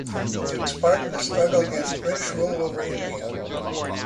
He took part in the struggle against British rule over India.